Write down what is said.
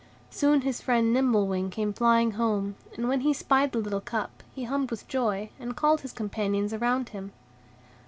Soon his friend Nimble Wing came flying home, and when he spied the little cup, he hummed with joy, and called his companions around him.